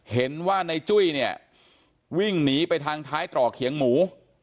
เห็นว่าในจุ้ยเนี่ยวิ่งหนีไปทางท้ายตร่อเขียงหมู